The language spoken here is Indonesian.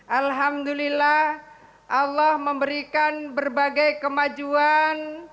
alhamdulillah allah memberikan berbagai kemajuan